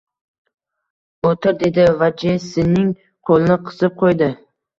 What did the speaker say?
O`tir, dedi va Jessining qo`lini qisib qo`ydi